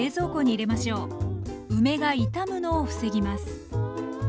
梅が傷むのを防ぎます